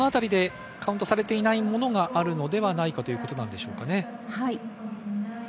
そのあたりでカウントされていないものがあるのではないかというところでし